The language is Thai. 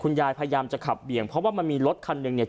พยายามจะขับเบี่ยงเพราะว่ามันมีรถคันหนึ่งเนี่ย